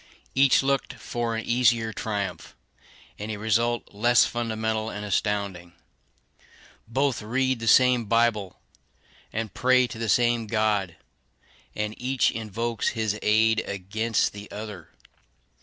Each looked for an easier triumph, and a result less fundamental and astounding. Both read the same Bible, and pray to the same God; and each invokes his aid against the other.